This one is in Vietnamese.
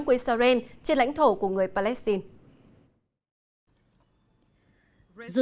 của israel trên lãnh thổ của người palestine